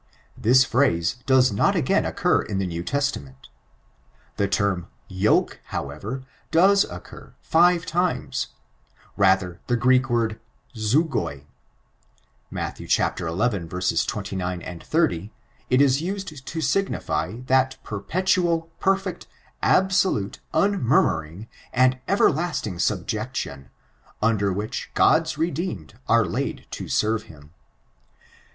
This phrase does not again occur in the New Testament. The term yoke, however, does occur five times: rather the Greek word zug09. Matt. xL 29, 30, it is used to signify that perpetual, perfect, absolute, unmurmuring, and everlasting subjec tion, under which God's redeemed are laid to serve him.